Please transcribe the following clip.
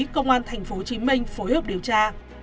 công an tp hcm phối hợp điều tra